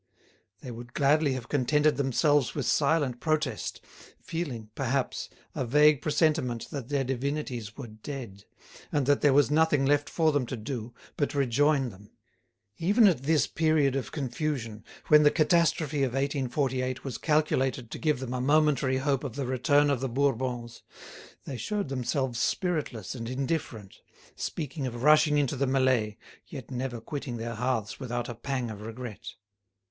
They would gladly have contented themselves with silent protest, feeling, perhaps, a vague presentiment that their divinities were dead, and that there was nothing left for them to do but rejoin them. Even at this period of confusion, when the catastrophe of 1848 was calculated to give them a momentary hope of the return of the Bourbons, they showed themselves spiritless and indifferent, speaking of rushing into the melee, yet never quitting their hearths without a pang of regret.